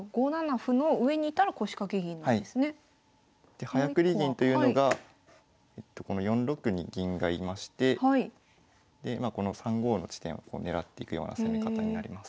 で早繰り銀というのがこの４六に銀がいましてこの３五の地点を狙っていくような攻め方になります。